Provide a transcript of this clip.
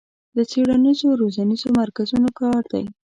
له څېړنیزو روزنیزو مرکزونو کار دی